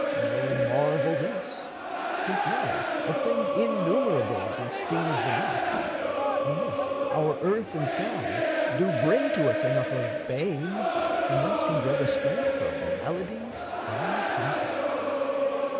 No marvel this, since, lo, Of things innumerable be seeds enough, And this our earth and sky do bring to us Enough of bane from whence can grow the strength Of maladies uncounted.